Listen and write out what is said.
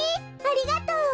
ありがとう！